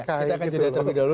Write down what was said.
kita akan jeda terlebih dahulu